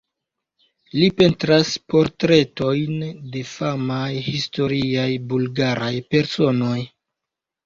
Li pentras portretojn de famaj historiaj bulgaraj personoj.